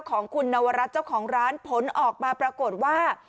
ของคุณนวรัฐเจ้าของร้านผลออกมาปรากฏว่า